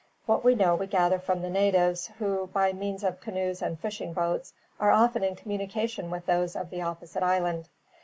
"What we know we gather from the natives, who, by means of canoes and fishing boats, are often in communication with those of the opposite island.